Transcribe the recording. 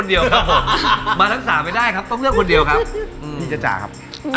เดี๋ยวคุณครูมาช่วยนะครับ